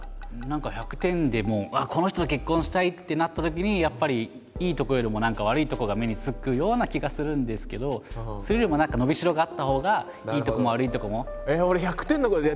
何か１００点でもうこの人と結婚したいってなったときにやっぱりいいとこよりも何か悪いとこが目につくような気がするんですけどそれよりも何か伸びしろがあったほうがいいとこも悪いとこも。